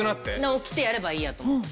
起きてやればいいやと思って。